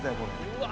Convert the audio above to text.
うわ！